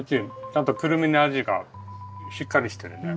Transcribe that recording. ちゃんとくるみの味がしっかりしてるね。